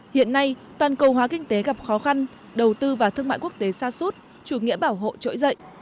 hiện nay toàn cầu hóa kinh tế gặp khó khăn đầu tư và thương mại quốc tế xa suốt chủ nghĩa bảo hộ trỗi dậy